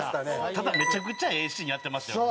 ただめちゃくちゃええシーンやってましたよね。